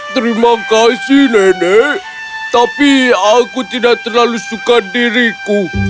terima kasih nenek tapi aku tidak terlalu suka diriku